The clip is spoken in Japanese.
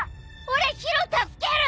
俺宙助ける！